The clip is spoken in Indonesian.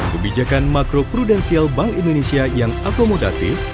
kebijakan makrokudensial bank indonesia yang akomodatif